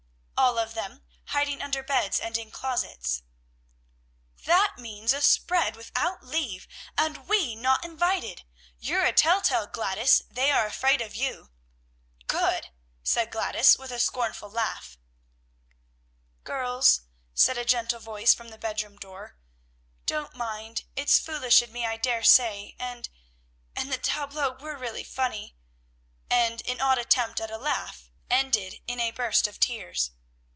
"All of them, hiding under beds and in closets." "That means a spread without leave, and we not invited. You're a tell tale Gladys; they are afraid of you." "Good!" said Gladys with a scornful laugh. "Girls," said a gentle voice from the bedroom door, "don't mind; it's foolish in me I dare say, and and the tableaux were real funny," and an odd attempt at a laugh ended in a burst of tears.